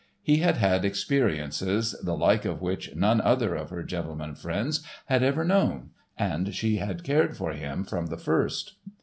He had had experiences, the like of which none other of her gentlemen friends had ever known and she had cared for him from the first.